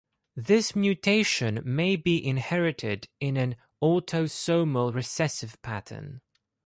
This mutation may be inherited in an autosomal recessive pattern.